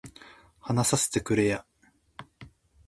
話させてくれや